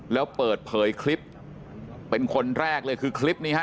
แล้วเปิดเผยคลิปเป็นคนแรกเลยคือคลิปนี้ฮะ